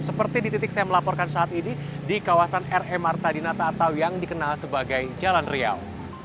seperti di titik saya melaporkan saat ini di kawasan r e marta dinata atau yang dikenal sebagai jalan riau